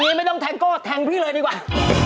ในมันต้องแทงก็แถงพี่เลยดีกว่า